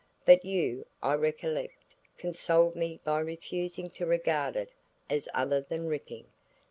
But you, I recollect consoled me by refusing to regard it as other than 'ripping.'